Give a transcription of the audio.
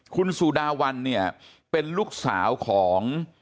คุณสุดาวันเป็นลูกสาวของ